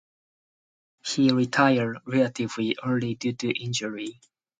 He retired relatively early due to injury.